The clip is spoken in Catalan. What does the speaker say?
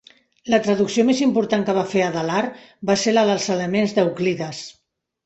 La traducció més important que va fer Adelard va ser la dels Elements d'Euclides.